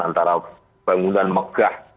antara bangunan megah